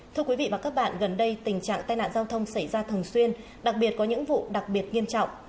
thưa quý vị và các bạn gần đây tình trạng tai nạn giao thông xảy ra thường xuyên đặc biệt có những vụ đặc biệt nghiêm trọng